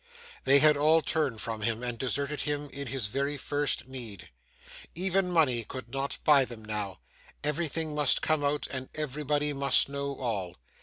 They had all turned from him and deserted him in his very first need. Even money could not buy them now; everything must come out, and everybody must know all.